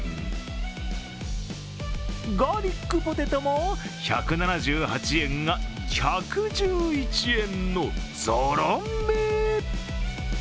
ガーリックポテトも１７８円が、１１１円のゾロ目。